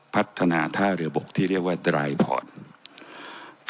พัฒนาท่าระบบที่เรียกว่าดรายพอร์ต